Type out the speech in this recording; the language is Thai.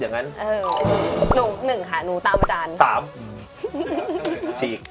วิ่งอ้อมเตะทำไม